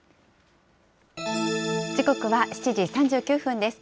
時刻は７時３９分です。